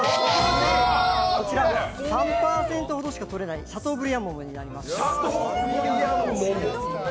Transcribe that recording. こちら３％ほどしかとれないシャトーブリアン桃になります。